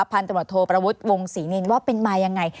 พันธบทโทประวุฒิวงศรีนินว่าเป็นมายังไง